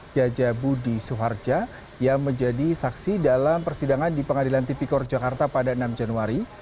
jaja budi suharja yang menjadi saksi dalam persidangan di pengadilan tipikor jakarta pada enam januari